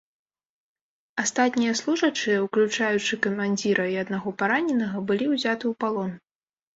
Астатнія служачыя, уключаючы камандзіра і аднаго параненага, былі ўзяты ў палон.